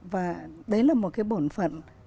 và đấy là một cái bổn phận